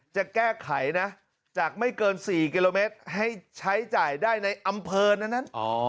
จะแก้ไขนะจากไม่เกิน๔กิโลเมตรให้ใช้จ่ายได้ในอำเภอนั้น